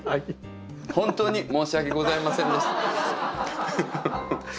本当に申し訳ございませんでした。